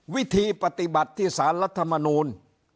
วิธีปฏิบัติที่สารรัฐมนูล